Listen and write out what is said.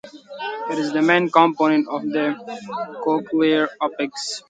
It is the main component of the cochlear apex.